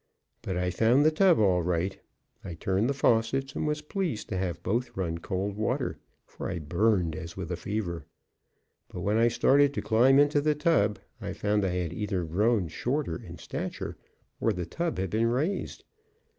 But I found the tub all right. I turned the faucets, and was pleased to have both run cold water, for I burned as with a fever. But, when I started to climb into the tub, I found I had either grown shorter in stature, or the tub had been raised.